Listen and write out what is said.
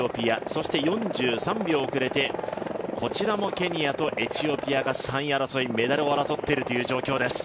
そして４３秒遅れてこちらもケニアとエチオピアがメダルを争っているという状況です。